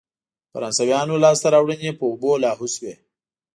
د فرانسویانو لاسته راوړنې په اوبو لاهو شوې.